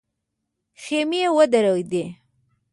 خيمې ودرېدې.